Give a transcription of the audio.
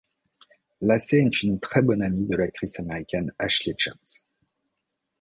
Lacey est une très bonne amie de l'actrice américaine Ashley Jones.